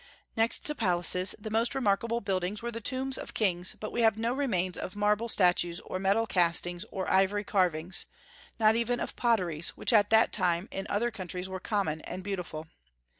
Next to palaces, the most remarkable buildings were the tombs of kings; but we have no remains of marble statues or metal castings or ivory carvings, not even of potteries, which at that time in other countries were common and beautiful.